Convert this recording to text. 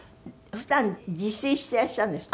普段自炊していらっしゃるんですって？